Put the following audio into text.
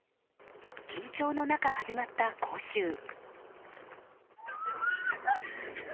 緊張の中、始まった講習。